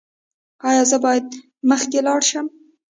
ایا زه باید مخکې لاړ شم؟